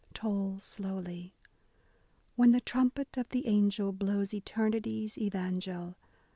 Toll slowly. When the trumpet of the angel blows eternity's evangel.